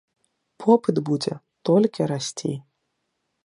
Попыт будзе толькі расці.